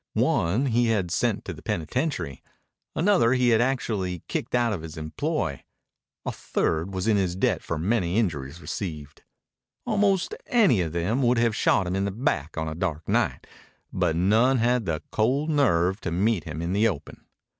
One he had sent to the penitentiary. Another he had actually kicked out of his employ. A third was in his debt for many injuries received. Almost any of them would have shot him in the back on a dark night, but none had the cold nerve to meet him in the open.